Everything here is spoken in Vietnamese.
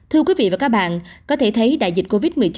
thưa quý vị và các bạn có thể thấy đại dịch covid một mươi chín